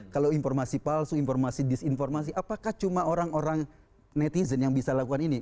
kalau informasi palsu informasi disinformasi apakah cuma orang orang netizen yang bisa lakukan ini